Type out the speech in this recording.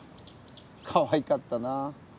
かわいかったな。